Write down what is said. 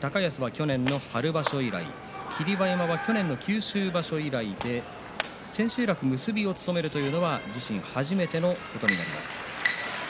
高安は去年の春場所以来霧馬山は去年の九州場所以来千秋楽結びを務めるというのは自身初めてのことになります。